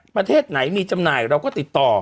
ประเทศไหนมีจำหน่ายเราก็ติดต่อ